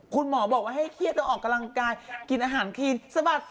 คุณหมอบอกว่าให้เครียดแล้วออกกำลังกายกินอาหารครีนสะบัด